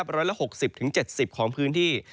ร้อยละ๖๐๗๐ของพื้นที่